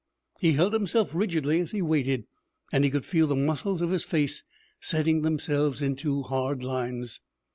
He held himself rigidly as he waited, and he could feel the muscles of his face setting themselves into hard lines.